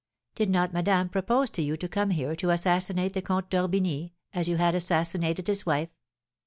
"'Did not madame propose to you to come here to assassinate the Comte d'Orbigny, as you had assassinated his wife?'